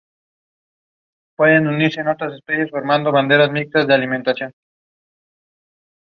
It was presented by Jonathan Dimbleby.